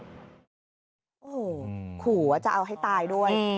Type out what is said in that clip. โอ้โหขู่ว่าจะเอาให้ตายด้วย